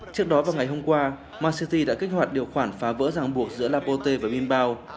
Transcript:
trước đó vào ngày hôm qua man city đã kích hoạt điều khoản phá vỡ ràng buộc giữa lapote và linbound